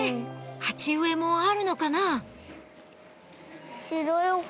鉢植えもあるのかな？